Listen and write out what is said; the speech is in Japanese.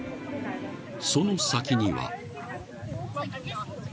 ［その先には］